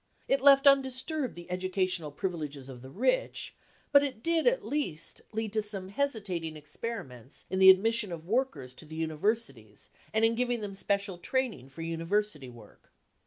It left undisturbed the educational privileges of the rich ; but it did at least lead to some hesitating experiments in the admission of workers to the universities and in giving them special training for university work.